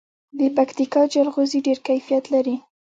د پکتیکا جلغوزي ډیر کیفیت لري.